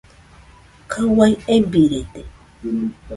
Kaɨ uai ebirede.